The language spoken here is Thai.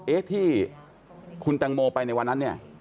เอ๊ะที่คุณแตงโมไปในวันนั้นเนี่ย